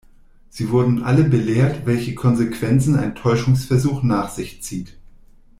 Sie wurden alle belehrt, welche Konsequenzen ein Täuschungsversuch nach sich zieht.